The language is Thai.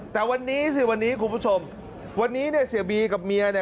แต่วันนี้สิวันนี้คุณผู้ชมวันนี้เนี่ยเสียบีกับเมียเนี่ย